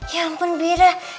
ya ampun bira